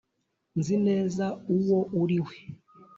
nzi neza uwo uri we.